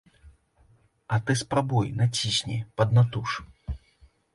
А ты спрабуй, націсні, паднатуж.